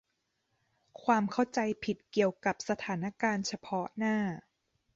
ความเข้าใจผิดเกี่ยวกับสถานการณ์เฉพาะหน้า